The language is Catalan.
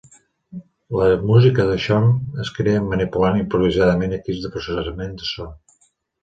La música de Xome es crea manipulant improvisadament equips de processament de so.